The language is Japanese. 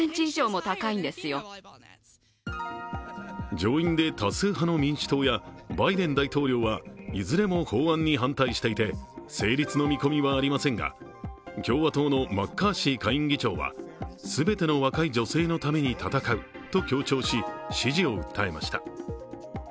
上院で多数派の民主党やバイデン大統領はいずれも法案に反対していて、成立の見込みはありませんが、共和党のマッカーシー下院議長は全ての若い女性のために戦うと強調し支持を訴えました。